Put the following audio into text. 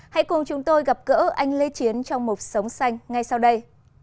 hãy cùng chúng tôi gặp gỡ anh lê chiến trong mục sống xanh ngay sau đây